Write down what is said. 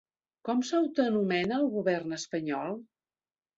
Com s'autoanomena el govern espanyol?